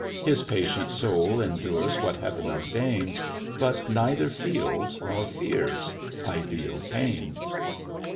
His patient soul endures what Heav'n ordains, But neither feels nor fears ideal pains.